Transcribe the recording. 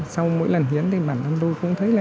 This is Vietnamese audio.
sau mỗi lần hiến thì bản thân tôi cũng thấy là